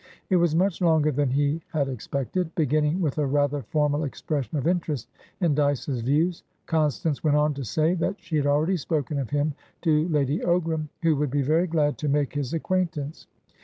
It was much longer than he had expected. Beginning with a rather formal expression of interest in Dyce's views, Constance went on to say that she had already spoken of him to Lady Ogram, who would be very glad to make his acquaintance.